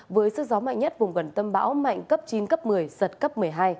với sức gió mạnh nhất vùng gần tâm bão mạnh cấp chín cấp một mươi giật cấp một mươi hai